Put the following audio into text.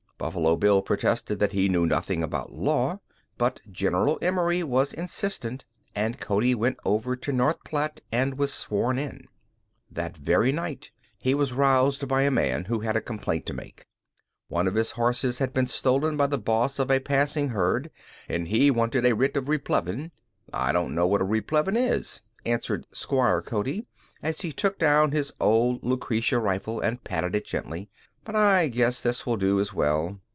Buffalo Bill protested that he knew nothing about law, but General Emory was insistent and Cody went over to North Platte and was sworn in. That very night he was aroused by a man who had a complaint to make. One of his horses had been stolen by the boss of a passing herd, and he wanted a writ of replevin. "I don't know what a replevin is," answered 'Squire Cody, as he took down his old Lucretia rifle and patted it gently, "but I guess this will do as well."